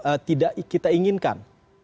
atau tidak kita inginkan